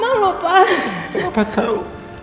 dari perempuan itu